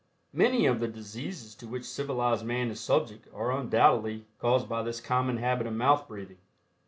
Many of the diseases to which civilized man is subject are undoubtedly caused by this common habit of mouth breathing.